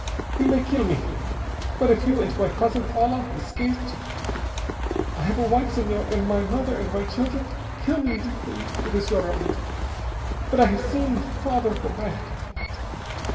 "You may kill me. But if you and my cousin Paula escaped.... I have a wife, Senhor, and my mother, and my children. Kill me if you please. It is your right. But I have seen my father go mad."